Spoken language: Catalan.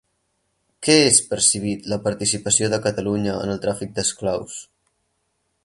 Què és per Civit la participació de Catalunya en el tràfic d'esclaus?